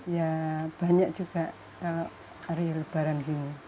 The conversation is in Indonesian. ya banyak juga hari lebaran ini